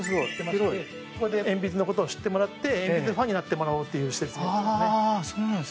ここで鉛筆のことを知ってもらって鉛筆ファンになってもらおうという施設です。